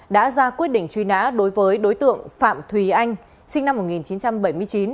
đã ra quyết định truy nã đối với đối tượng phạm thùy anh sinh năm một nghìn chín trăm bảy mươi chín